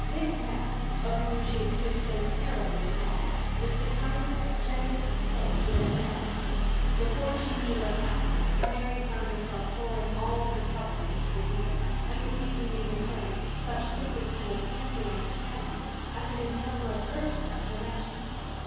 This man, of whom she had stood so terribly in awe, was the kindest, gentlest soul she had ever met. Before she knew what happened Mary found herself pouring all her troubles into his ear and receiving in return such sympathy and tender understanding as it had never occurred to her to imagine.